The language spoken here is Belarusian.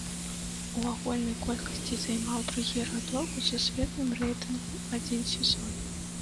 У агульнай колькасці займаў другі радок у сусветным рэйтынгу адзін сезон.